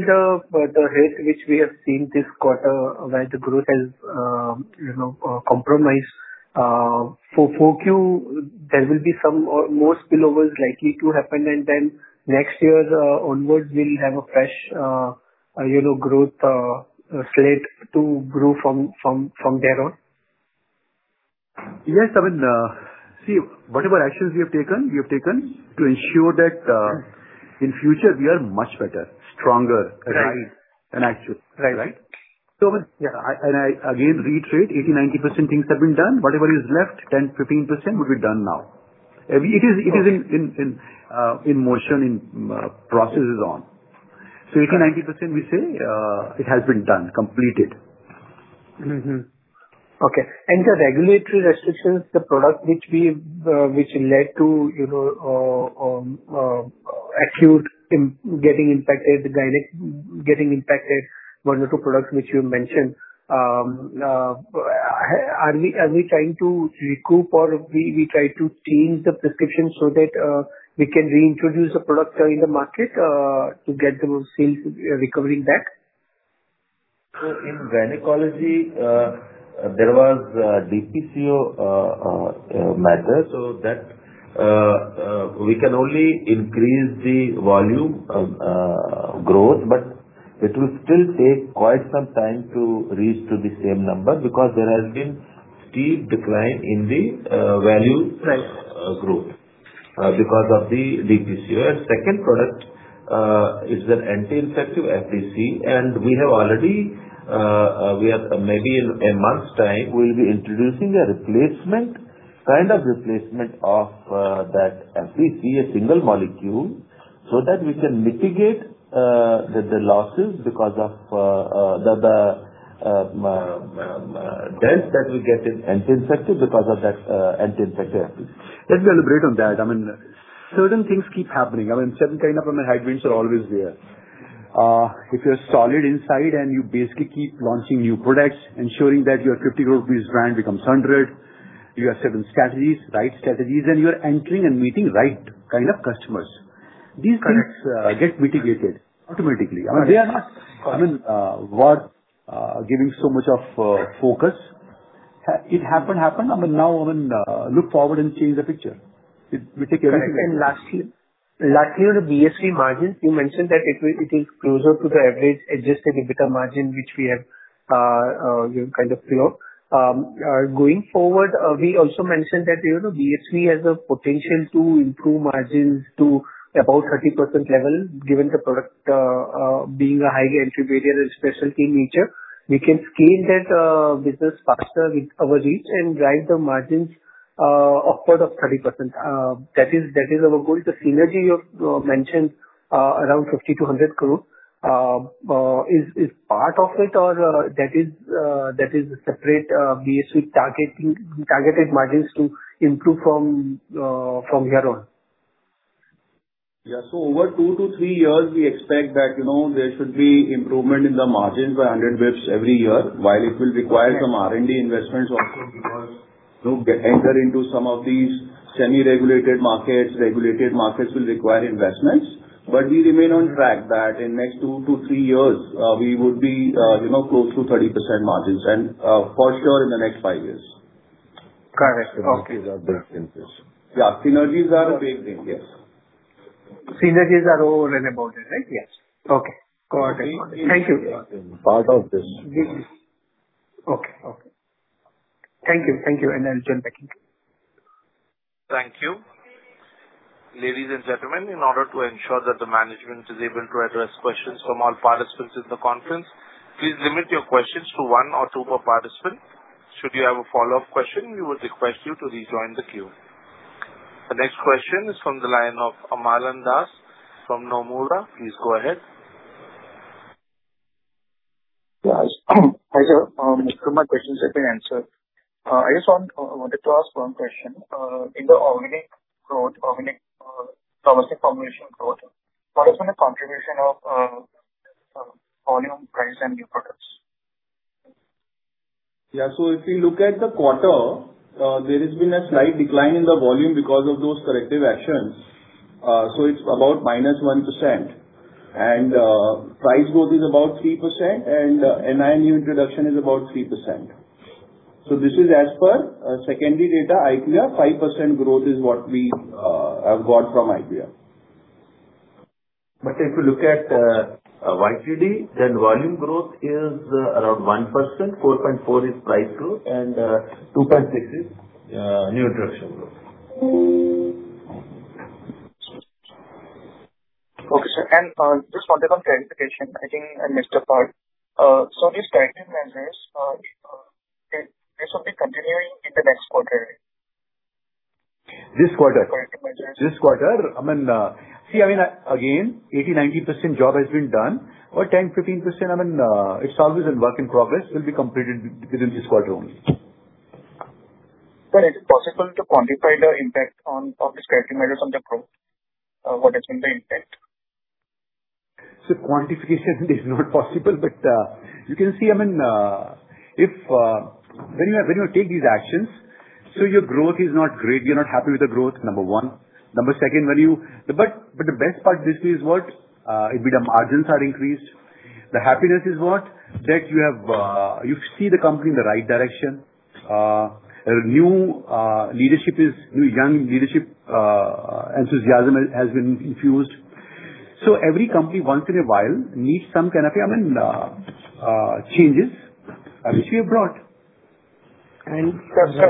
the hit which we have seen this quarter where the growth has compromised? For 4Q, there will be some more spillovers likely to happen, and then next year onwards, we'll have a fresh growth slate to grow from there on? Yes. I mean, see, whatever actions we have taken, we have taken to ensure that in future, we are much better, stronger than actual. Right? So I mean, yeah. And again, right, 80-90% things have been done. Whatever is left, 10-15% would be done now. It is in motion, in processes on. So 80-90%, we say it has been done, completed. Okay. The regulatory restrictions, the product which led to acute getting impacted, one or two products which you mentioned, are we trying to recoup or we try to change the prescription so that we can reintroduce the product in the market to get the sales recovering back? So in gynecology, there was DPCO matter, so that we can only increase the volume growth, but it will still take quite some time to reach to the same number because there has been steep decline in the value growth because of the DPCO. And second product is an anti-infective FDC, and we have already, maybe in a month's time, we'll be introducing a replacement, kind of replacement of that FDC, a single molecule, so that we can mitigate the losses because of the hit that we get in anti-infective because of that anti-infective FDC. Let me elaborate on that. I mean, certain things keep happening. I mean, certain kind of headwinds are always there. If you're solid inside and you basically keep launching new products, ensuring that your 50 crore brand becomes 100, you have certain strategies, right strategies, and you're entering and meeting right kind of customers. These things get mitigated automatically. I mean, they are not, I mean, worth giving so much of focus. It happened, happened. I mean, now I mean, look forward and change the picture. We take everything at once. And lastly, last year, BSV margins, you mentioned that it is closer to the average adjusted EBITDA margin which we have kind of filled. Going forward, we also mentioned that BSV has a potential to improve margins to about 30% level, given the product being a high entry barrier and specialty nature. We can scale that business faster with our reach and drive the margins upward of 30%. That is our goal. The synergy you mentioned around 50 crore-100 crore is part of it, or that is a separate BSV targeted margins to improve from here on? Yeah. So over two to three years, we expect that there should be improvement in the margins by 100 basis points every year, while it will require some R&D investments also because to enter into some of these semi-regulated markets, regulated markets will require investments. But we remain on track that in the next two to three years, we would be close to 30% margins, and for sure in the next five years. Correct. Okay. Yeah. Synergies are a big thing. Yes. Synergies are all in about it, right? Yes. Okay. Got it. Thank you. Part of this. Okay. Okay. Thank you. Thank you. And I'll join back in. Thank you. Ladies and gentlemen, in order to ensure that the management is able to address questions from all participants in the conference, please limit your questions to one or two per participant. Should you have a follow-up question, we would request you to rejoin the queue. The next question is from the line of Amlan Das from Nomura. Please go ahead. Yeah. Hi, sir. Some of my questions have been answered. I just wanted to ask one question. In the organic growth, organic pharmaceutical formulation growth, what has been the contribution of volume, price, and new products? Yeah. So if you look at the quarter, there has been a slight decline in the volume because of those corrective actions. So it's about minus 1%. And price growth is about 3%, and new introduction is about 3%. So this is as per secondary data, IPM. 5% growth is what we have got from IPM. But if you look at YTD, then volume growth is around one%. 4.4% is price growth, and 2.6% is new introduction growth. Okay, sir. And just one clarification. I think I missed a part. So these corrective measures, are they something continuing in the next quarter? This quarter. This quarter? This quarter. I mean, see, I mean, again, 80%-90% job has been done, but 10%-15%, I mean, it's always in work in progress. It will be completed within this quarter only. But is it possible to quantify the impact on all these corrective measures on the growth? What has been the impact? So quantification is not possible, but you can see, I mean, when you take these actions, so your growth is not great. You're not happy with the growth, number one. Number second, when you, but the best part of this is what? Indeed, the margins are increased. The happiness is what? That you see the company in the right direction. New leadership is new. Young leadership enthusiasm has been infused. So every company, once in a while, needs some kind of, I mean, changes, which we have brought. And sir.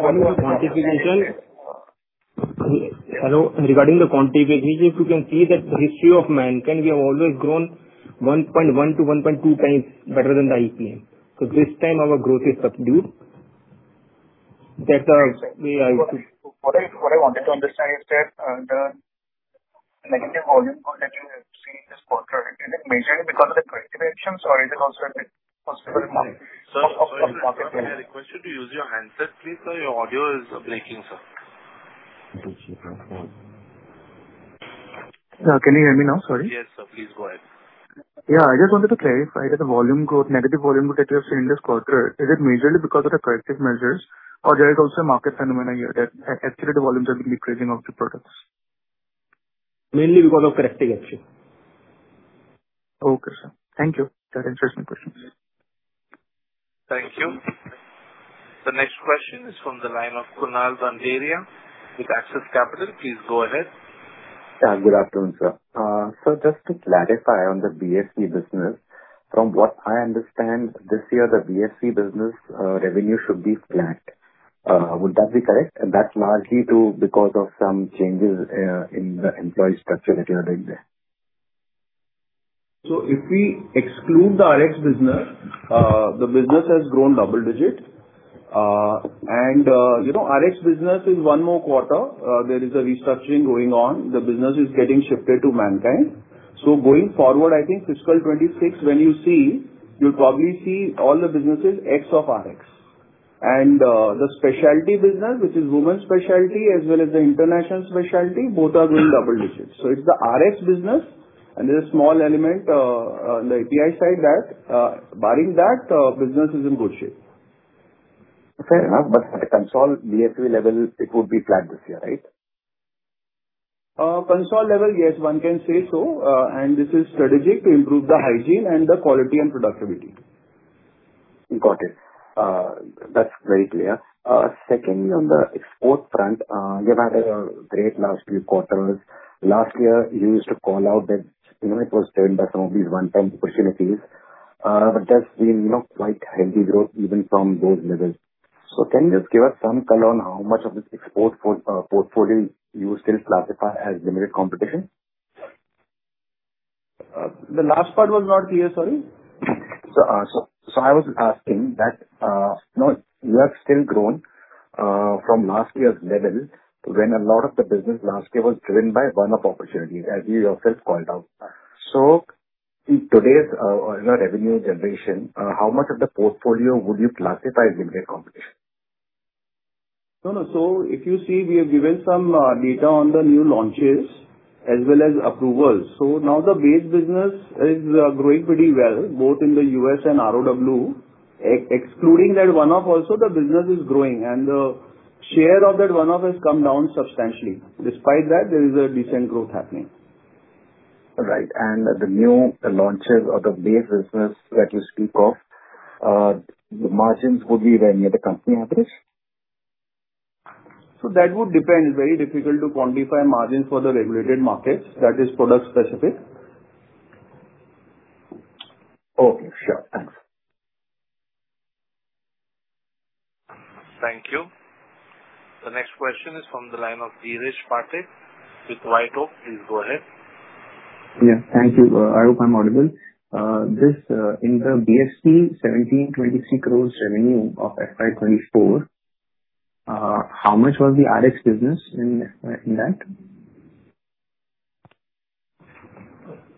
Regarding the quantification, if you can see that the history of Mankind, we have always grown 1.1-1.2 times better than the IPM. So this time, our growth is subdued. That's the way I would. What I wanted to understand is that the negative volume growth that you see this quarter, is it majorly because of the corrective actions, or is it also a bit possible market growth? Sir, I just want to have a question. Do you use your handset, please? Sir, your audio is breaking, sir. Can you hear me now? Sorry. Yes, sir. Please go ahead. Yeah. I just wanted to clarify that the volume growth, negative volume growth that you have seen this quarter, is it majorly because of the corrective measures, or there is also a market phenomenon here that actually the volumes have been decreasing of the products? Mainly because of corrective action. Okay, sir. Thank you. That answers my question. Thank you. The next question is from the line of Kunal Randeria with Axis Capital. Please go ahead. Good afternoon, sir. So just to clarify on the BSV business, from what I understand, this year, the BSV business revenue should be flat. Would that be correct? And that's largely due because of some changes in the employee structure that you are doing there. If we exclude the Rx business, the business has grown double-digit. The Rx business is one more quarter. There is a restructuring going on. The business is getting shifted to Mankind. Going forward, I think fiscal 2026, when you see, you'll probably see all the businesses ex Rx. The specialty business, which is women's specialty, as well as the international specialty, both are going double-digits. It's the Rx business, and there's a small element on the API side that barring that, the business is in good shape. Fair enough. But at the consolidated BSV level, it would be flat this year, right? Consol level, yes, one can say so, and this is strategic to improve the hygiene and the quality and productivity. Got it. That's very clear. Secondly, on the export front, you've had a great last few quarters. Last year, you used to call out that it was termed as some of these one-time opportunities. But there's been quite healthy growth even from those levels. So can you just give us some color on how much of this export portfolio you still classify as limited competition? The last part was not clear. Sorry. So I was asking that you have still grown from last year's level when a lot of the business last year was driven by one-off opportunity, as you yourself called out. So in today's revenue generation, how much of the portfolio would you classify as limited competition? No, no. So if you see, we have given some data on the new launches as well as approvals. So now the base business is growing pretty well, both in the U.S. and ROW. Excluding that one-off, also, the business is growing, and the share of that one-off has come down substantially. Despite that, there is a decent growth happening. Right. And the new launches or the base business that you speak of, the margins would be where near the company average? So that would depend. It's very difficult to quantify margins for the regulated markets. That is product-specific. Okay. Sure. Thanks. Thank you. The next question is from the line of Dheeresh Pathak with White Oak. Please go ahead. Yeah. Thank you. I hope I'm audible. In the BSV 1723 crores revenue of FY24, how much was the Rx business in that?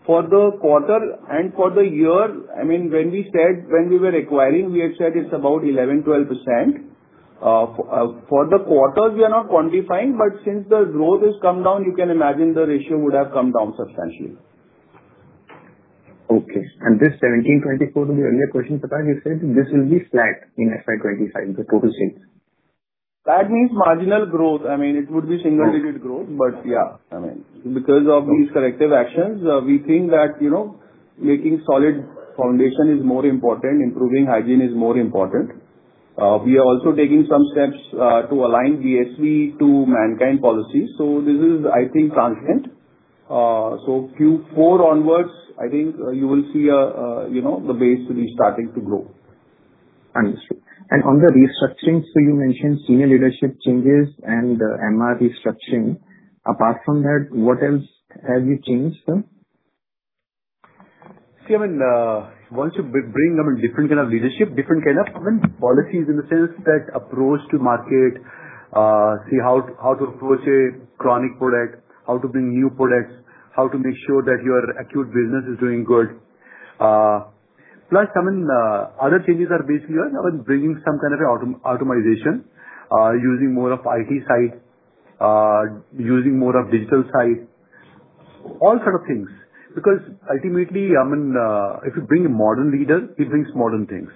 For the quarter and for the year, I mean, when we said when we were acquiring, we had said it's about 11%-12%. For the quarters, we are not quantifying, but since the growth has come down, you can imagine the ratio would have come down substantially. Okay. And this 17, 24, the earlier questions, you said this will be flat in FY25, the total sales? That means marginal growth. I mean, it would be single-digit growth, but yeah. I mean, because of these corrective actions, we think that making solid foundation is more important. Improving hygiene is more important. We are also taking some steps to align BSV to Mankind policy. So this is, I think, transient. So Q4 onwards, I think you will see the base to be starting to grow. Understood. And on the restructuring, so you mentioned senior leadership changes and MR restructuring. Apart from that, what else have you changed, sir? See, I mean, once you bring, I mean, different kind of leadership, different kind of policies in the sense that approach to market, see how to approach a chronic product, how to bring new products, how to make sure that your acute business is doing good. Plus, I mean, other changes are basically bringing some kind of an automation, using more of IT side, using more of digital side, all sort of things. Because ultimately, I mean, if you bring a modern leader, he brings modern things,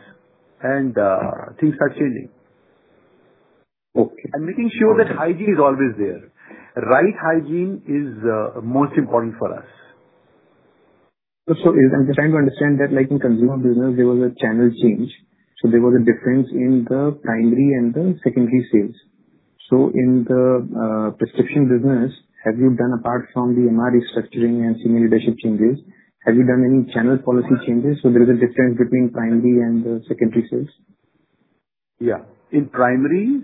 and things are changing. Okay. Making sure that hygiene is always there. Right hygiene is most important for us. I'm just trying to understand that in consumer business, there was a channel change. There was a difference in the primary and the secondary sales. In the prescription business, have you done apart from the MR restructuring and senior leadership changes, have you done any channel policy changes? There is a difference between primary and the secondary sales? Yeah. In primary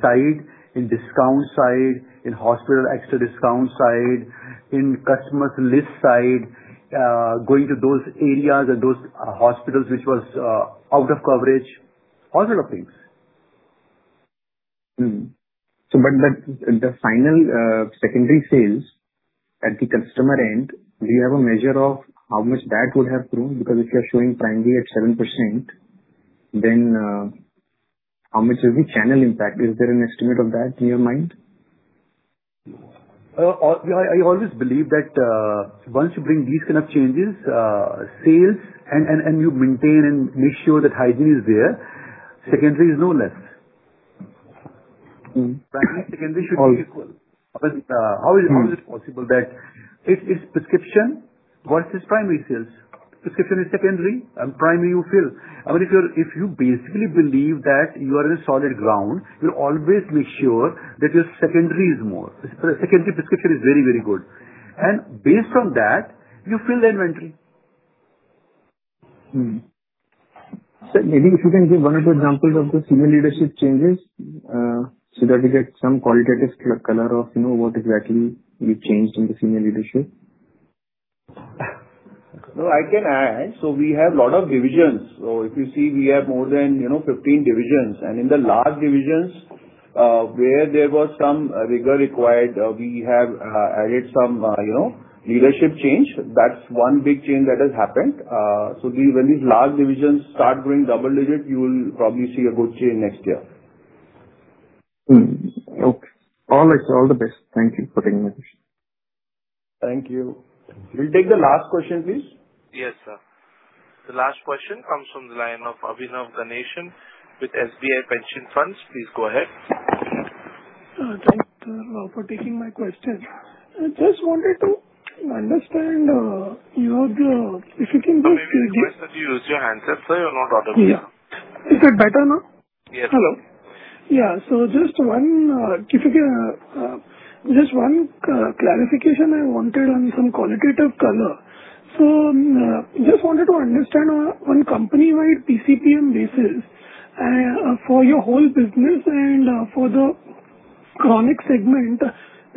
side, in discount side, in hospital extra discount side, in customers list side, going to those areas and those hospitals which was out of coverage, all sort of things. But the final secondary sales at the customer end, do you have a measure of how much that would have grown? Because if you're showing primary at 7%, then how much is the channel impact? Is there an estimate of that in your mind? I always believe that once you bring these kind of changes, sales, and you maintain and make sure that hygiene is there, secondary is no less. Primary and secondary should be equal. How is it possible that it's prescription versus primary sales? Prescription is secondary. Primary, you fill. I mean, if you basically believe that you are in a solid ground, you'll always make sure that your secondary is more. Secondary prescription is very, very good. And based on that, you fill the inventory. Maybe if you can give one or two examples of the senior leadership changes so that we get some qualitative color of what exactly you changed in the senior leadership? No, I can add. So we have a lot of divisions. So if you see, we have more than 15 divisions. And in the last divisions, where there was some rigor required, we have added some leadership change. That's one big change that has happened. So when these large divisions start growing double-digit, you will probably see a good change next year. Okay. All right. All the best. Thank you for taking my question. Thank you. Will you take the last question, please? Yes, sir. The last question comes from the line of Abhinav Ganesan with SBI Pension Funds. Please go ahead. Thank you for taking my question. I just wanted to understand, if you can just. If you have a question, you use your handset, sir. You're not audible. Yeah. Is it better now? Yes. Hello. Yeah. So just one clarification I wanted on some qualitative color. So just wanted to understand on company-wide PCPM basis for your whole business and for the chronic segment,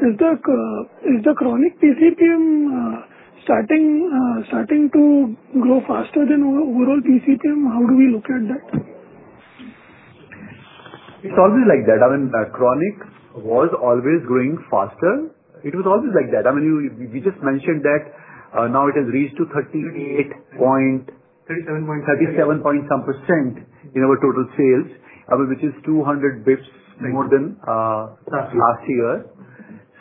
is the chronic PCPM starting to grow faster than overall PCPM? How do we look at that? It's always like that. I mean, chronic was always growing faster. It was always like that. I mean, we just mentioned that now it has reached to 38.7% in our total sales, which is 200 basis points more than last year.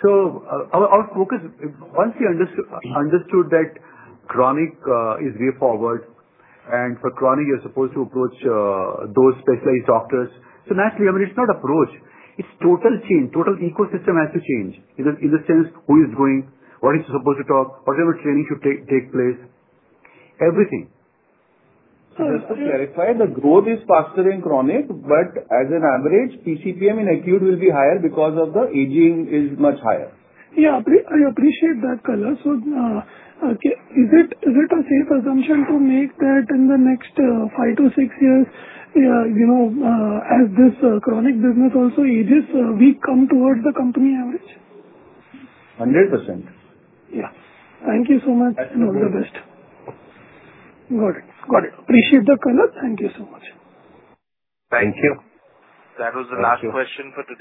So our focus, once we understood that chronic is way forward, and for chronic, you're supposed to approach those specialized doctors. So naturally, I mean, it's not approach. It's total change. Total ecosystem has to change in the sense who is going, what is supposed to talk, whatever training should take place, everything. So just to clarify, the growth is faster than chronic, but as an average, PCPM in acute will be higher because the margin is much higher. Yeah. I appreciate that color. So is it a safe assumption to make that in the next five-to-six years, as this chronic business also ages, we come towards the company average? 100%. Yeah. Thank you so much. And all the best. Got it. Got it. Appreciate the color. Thank you so much. Thank you. That was the last question for today.